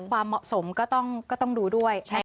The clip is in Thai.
ความเหมาะสมก็ต้องดูด้วย